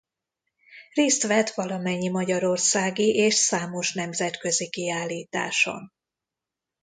Részt vett valamennyi magyarországi és számos nemzetközi kiállításon.